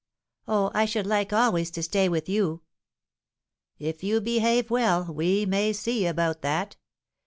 "Oh, I should like always to stay with you!" "If you behave well, we may see about that.